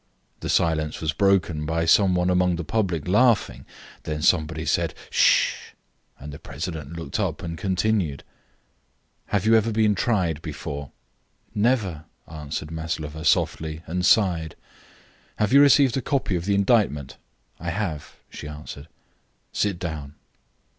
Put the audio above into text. The silence was broken by some one among the public laughing, then somebody said "Ssh," and the president looked up and continued: "Have you ever been tried before?" "Never," answered Maslova, softly, and sighed. "Have you received a copy of the indictment?" "I have," she answered. "Sit down."